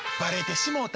しもうた？